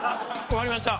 終わりました。